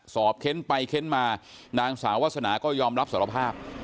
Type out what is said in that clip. เค้นไปเค้นมานางสาววาสนาก็ยอมรับสารภาพ